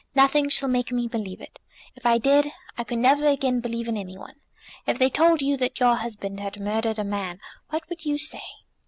Nothing shall make me believe it. If I did, I could never again believe in any one. If they told you that your husband had murdered a man, what would you say?"